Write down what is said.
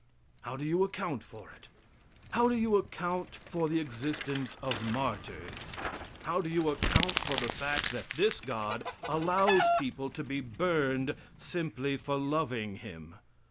How do you account for it? How do you account for the existence of martyrs? How do you account for the fact that this God allows people to be burned simply for loving Him?